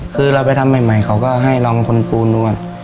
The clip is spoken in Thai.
คือเราไปทำใหม่เขาก็ให้ลองคนปูนดูว่า